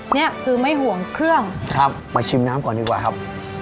เนี่ยคือไม่ห่วงเครื่องครับมาชิมน้ำก่อนดีกว่าครับ